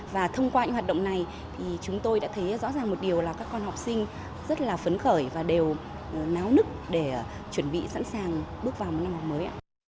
và thông qua những hoạt động này thì chúng tôi đã thấy rõ ràng một điều là các con học sinh rất là phấn khởi và đều náo nức để chuẩn bị sẵn sàng bước vào năm học mới ạ